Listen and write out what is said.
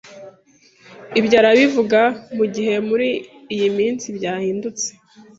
Ibyo arabivuga mu gihe muri iyi minsi byahindutse